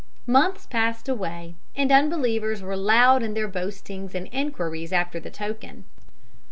Months passed away, and unbelievers were loud in their boastings and enquiries after the token.